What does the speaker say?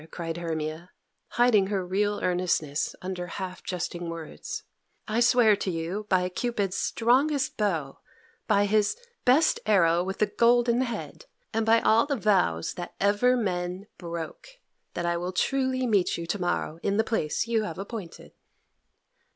cried Hermia, hiding her real earnestness under half jesting words, "I swear to you by Cupid's strongest bow by his best arrow with the golden head and by all the vows that ever men broke, that I will truly meet you to morrow in the place you have appointed."